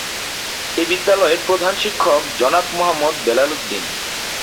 এ বিদ্যালয়ের প্রধান শিক্ষক জনাব মোহাম্মদ বেলাল উদ্দীন।